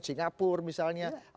singapura misalnya atau jepang